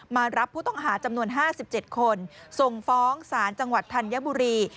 มารับผู้ต้องหาจำนวน๕๗คนส่งฟ้องศาลจังหวัดธัญบุรี